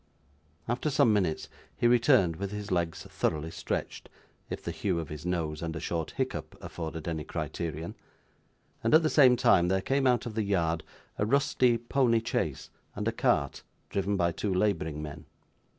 After some minutes, he returned, with his legs thoroughly stretched, if the hue of his nose and a short hiccup afforded any criterion; and at the same time there came out of the yard a rusty pony chaise, and a cart, driven by two labouring men.